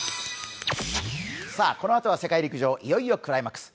このあとは世界陸上いよいよクライマックス。